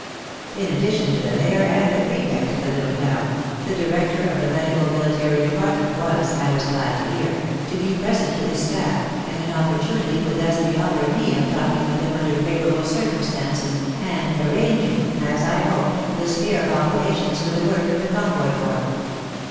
In addition to the Mayor and Prefect of the little town, the Director of the Medical Military Department was, I was glad to hear, to be present with his staff, and an opportunity would thus be offered me of talking with him under favour able circumstances and arranging, as I hoped, the sphere of operations for the work of the Convoy Corps.